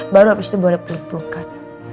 baru abis itu boleh peluk pelukan